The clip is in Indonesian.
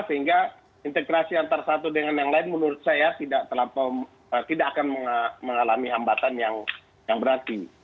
sehingga integrasi antara satu dengan yang lain menurut saya tidak akan mengalami hambatan yang berarti